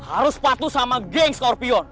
harus patuh sama geng scorpion